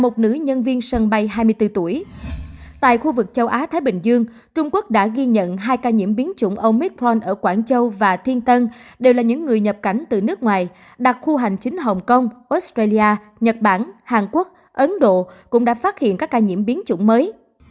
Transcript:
tại khu vực châu á thái bình dương trung quốc đã ghi nhận hai ca nhiễm biến chủng omicron ở quảng châu và thiên tân đều là những người nhập cảnh từ nước ngoài đặc khu hành chính hồng kông australia nhật bản hàn quốc ấn độ cũng đã phát hiện các ca nhiễm biến chủng mới